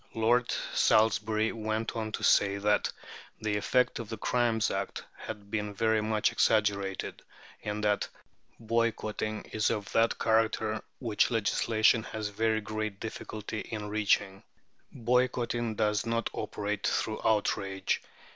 Lord Salisbury went on to say that "the effect of the Crimes Act had been very much exaggerated," and that "boycotting is of that character which legislation has very great difficulty in reaching." "Boycotting does not operate through outrage.